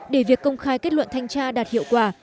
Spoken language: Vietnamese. để việc công khai kết luận thanh tra đạt hiệu quả